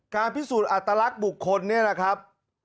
การพิสูจน์อัตลักษณ์บุคคลเนี่ยนะครับ